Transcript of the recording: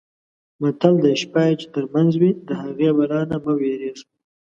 متل دی: شپه یې چې ترمنځه وي د هغې بلا نه مه وېرېږه.